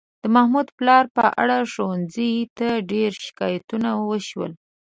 د محمود پلار په اړه ښوونځي ته ډېر شکایتونه وشول.